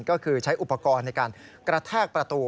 ก็คือใช้อุปกรณ์ในการกระแทกประตู